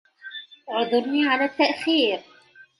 اعذرني على التأخير.